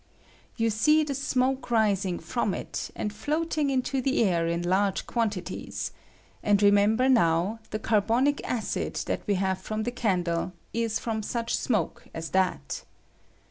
You see the smoke rising from it, and floating into the air in large quantities; and remember now, the carbonic acid that we have from the candle is from such smoke as that.